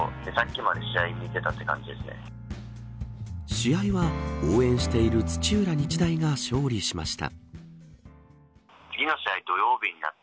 試合は応援している土浦日大が勝利しました。